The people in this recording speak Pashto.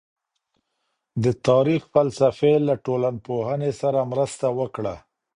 د تاريخ فلسفې له ټولنپوهنې سره مرسته وکړه.